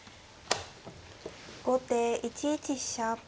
後手１一飛車。